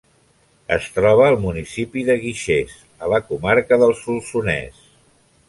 Es troba al municipi de Guixers, a la comarca del Solsonès.